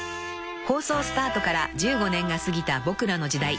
［放送スタートから１５年が過ぎた『ボクらの時代』］